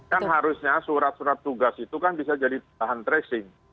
kan harusnya surat surat tugas itu kan bisa jadi bahan tracing